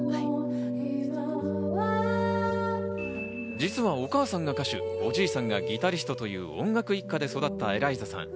実はお母さんが歌手、おじいさんがギタリストという音楽一家で育ったＥＬＡＩＺＡさん。